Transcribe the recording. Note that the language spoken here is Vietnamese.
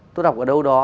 tôi đọc ở đâu đó